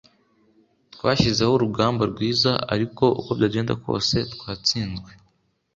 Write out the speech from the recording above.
Twashyizeho urugamba rwiza ariko uko byagenda kose twatsinzwe